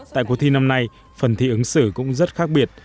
tại cuộc thi năm nay phần thi ứng xử cũng rất khác biệt